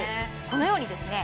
このようにですね